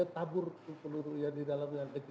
tapi kalau ini